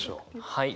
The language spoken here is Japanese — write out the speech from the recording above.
はい。